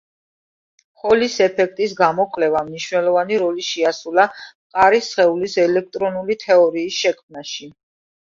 ჰოლის ეფექტის გამოკვლევამ მნიშვნელოვანი როლი შეასრულა მყარი სხეულის ელექტრონული თეორიის შექმნაში.